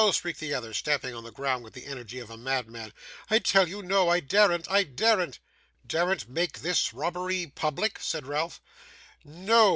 shrieked the other, stamping on the ground with the energy of a madman. 'I tell you no. I daren't, I daren't!' 'Daren't make this robbery public?' said Ralph. 'No!